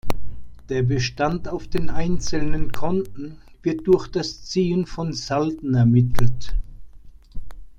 Der Bestand auf den einzelnen Konten wird durch das Ziehen von Salden ermittelt.